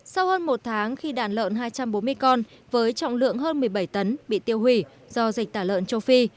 sau hơn một tháng khi đàn lợn hai trăm bốn mươi con với trọng lượng hơn một mươi bảy tấn bị tiêu hủy do dịch tả lợn châu phi